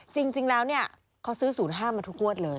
จริงแล้วเนี่ยเขาซื้อ๐๕มาทุกงวดเลย